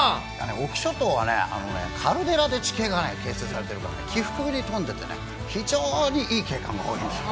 隠岐諸島はね、あのね、カルデラで地形が形成されてるからね、起伏に富んでてね、非常にいい景観が多いんですよ。